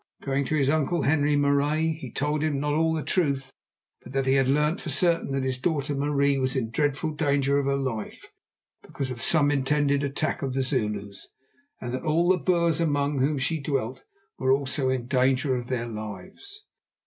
Going to his uncle, Henri Marais, he told him, not all the truth, but that he had learnt for certain that his daughter Marie was in dreadful danger of her life because of some intended attack of the Zulus, and that all the Boers among whom she dwelt were also in danger of their lives.